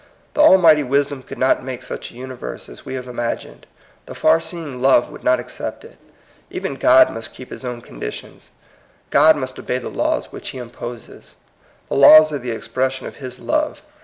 The Almighty Wisdom could not make such a universe as we have imagined. The far seeing Love would not accept it. Even God must keep his own conditions. God must obey the laws which he imposes. The laws are the expression of his love.